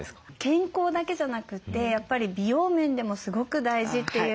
健康だけじゃなくてやっぱり美容面でもすごく大事というふうに聞きますよね。